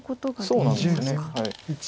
そうなんです。